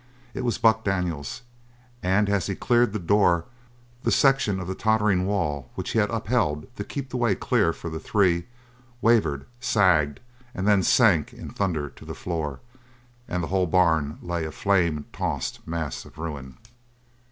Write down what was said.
It was Buck Daniels, and as he cleared the door the section of tottering wall which he had upheld to keep the way clear for the Three, wavered, sagged, and then sank in thunder to the floor, and the whole barn lay a flame tossed mass of ruin.